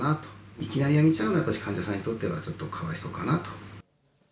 いきなり辞めちゃうのは、やっぱり患者さんにとってはかわいそうかなと。